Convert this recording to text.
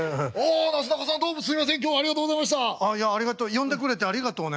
呼んでくれてありがとうね」。